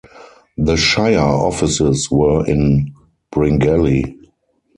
The shire offices were in Bringelly.